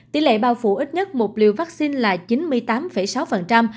tỷ lệ bao phủ ít nhất một liều vaccine là chín mươi tám sáu